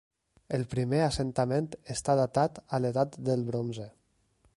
El primer assentament està datat a l'Edat del Bronze.